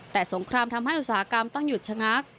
แต่สงครามทำให้อุตสาหกรรมต้องหยุดชะงัก